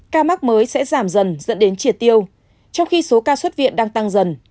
ca mắc mới sẽ giảm dần dẫn đến triệt tiêu trong khi số ca xuất viện đang tăng dần